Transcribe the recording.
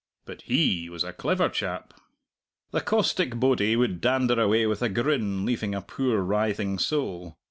But he was a clever chap." The caustic bodie would dander away with a grin, leaving a poor writhing soul.